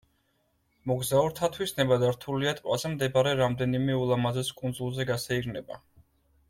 მოგზაურთათვის ნებადართულია ტბაზე მდებარე რამდენიმე ულამაზეს კუნძულზე გასეირნება.